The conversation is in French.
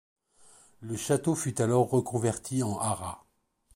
Le château fut alors reconverti en haras.